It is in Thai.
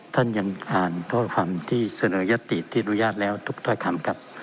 ท่านยังอ่านโทษฟังที่เสนอยัตติที่อนุญาตแล้วทุกถ้อยคำครับ